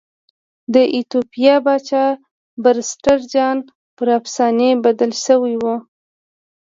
د ایتوپیا پاچا پرسټر جان پر افسانې بدل شوی و.